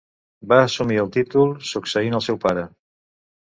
Va assumir el títol succeint al seu pare.